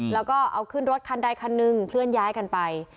แล้วก็เอาขึ้นรถคันใดคันหนึ่งเคลื่อนย้ายกันไป